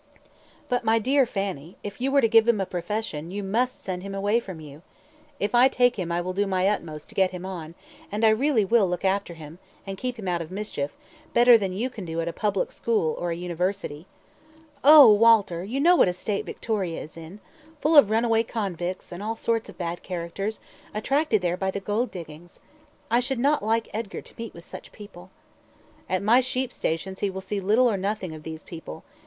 "But, my dear Fanny, if you were to give him a profession, you must send him away from you. If I take him I will do my utmost to get him on, and I will really look after him, and keep him out of mischief, better than you can do at a public school or a university." "Oh! Walter, you know what a state Victoria is in full of runaway convicts, and all sorts of bad characters, attracted there by the gold diggings. I should not like Edgar to meet with such people." "At my sheep stations he will see little or nothing of these people.